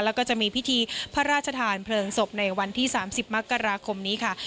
แล้วก็จะมีพิธีพระราชทานเพลิงศพในวันที่๓๐มกราคมนี้ค่ะ